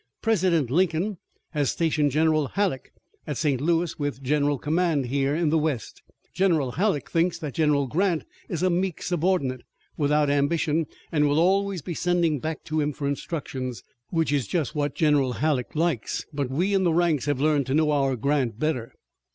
President Lincoln has stationed General Halleck at St. Louis with general command here in the West. General Halleck thinks that General Grant is a meek subordinate without ambition, and will always be sending back to him for instructions, which is just what General Halleck likes, but we in the ranks have learned to know our Grant better."